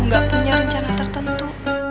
kalau gak punya rencana tertentu